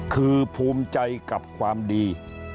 คือภูมิใจกับความดี